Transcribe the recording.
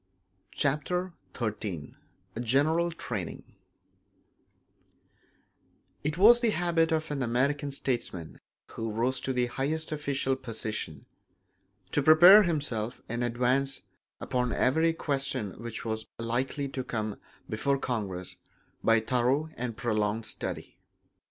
Chapter XIII General Training It was the habit of an American statesman who rose to the highest official position, to prepare himself in advance upon every question which was likely to come before Congress by thorough and prolonged study.